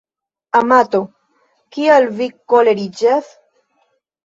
Amato, kial vi koleriĝas?